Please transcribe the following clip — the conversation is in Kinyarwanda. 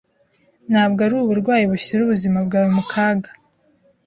Ntabwo ari uburwayi bushyira ubuzima bwawe mu kaga.